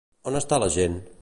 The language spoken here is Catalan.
On està la gent?